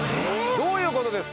どういうことですか？